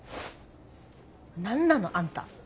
何なのあんた。